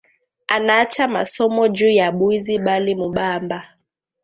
Anaacha masomo juya bwizi bali mubamba